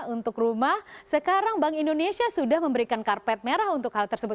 untuk rumah sekarang bank indonesia sudah memberikan karpet merah untuk hal tersebut